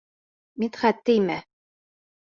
Мидхәт, теймә!